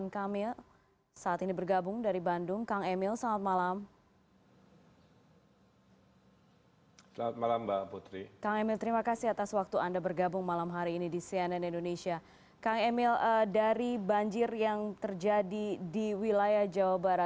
kira kira gitu dengan kondisi aksin ini menjadi sebuah